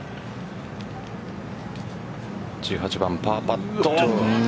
１８番パーパット。